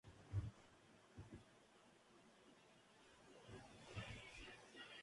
La temporada reproductiva dura de marzo a septiembre.